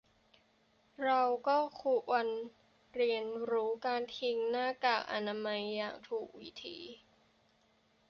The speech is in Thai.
เราก็ควรเรียนรู้การทิ้งหน้ากากอนามัยอย่างถูกวิธี